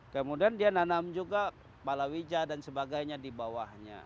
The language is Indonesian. kemudian dia nanam juga balawija dan sebagainya di bawahnya